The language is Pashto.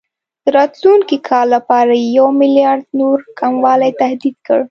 د راتلونکي کال لپاره یې یو میلیارډ نور کموالي تهدید کړ.